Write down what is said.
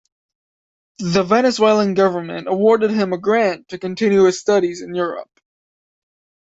The Venezuelan government awarded him a grant to continue his studies in Europe.